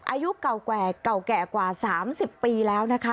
อายุเก่าแก่กว่า๓๐ปีแล้วนะคะ